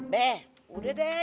be udah deh